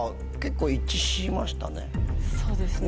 そうですね。